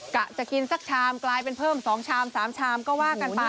กะจะกินสักชามกลายเป็นเพิ่ม๒ชาม๓ชามก็ว่ากันไป